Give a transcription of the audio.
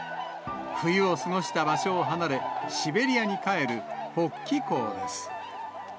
冬を過ごした場所を離れ、シベリアに帰る北帰行です。